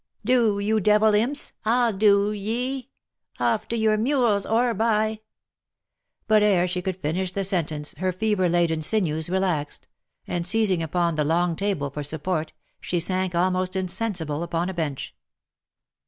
" Do ! you devil's imps ! I'll do ye ! Off to your mules or by — J* But ere she could finish the sentence, her fever laden sinews relaxed, and seizing upon the long table for support she sank almost insensible upon a bench.